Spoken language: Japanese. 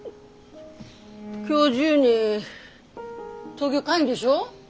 今日中に東京帰んでしょ？